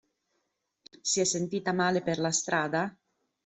Si è sentita male per la strada?